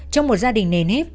trong một gia đình nền hết